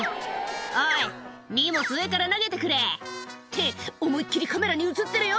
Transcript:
「おい荷物上から投げてくれ」って思いっ切りカメラに映ってるよ